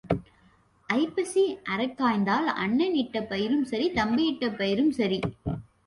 ஐப்பசி அறக் காய்ந்தால் அண்ணன் இட்ட பயிரும் சரி தம்பி இட்ட பயிரும் சரி.